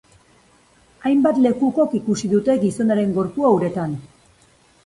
Hainbat lekukok ikusi dute gizonaren gorpua uretan.